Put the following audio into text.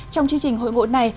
trong chương trình hội ngộ này